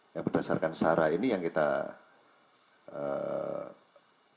yang berdasarkan sarah ini yang kita lakukan